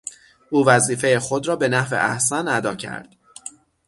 او وظیفهٔ خود را بنحو احسن اداء کرد.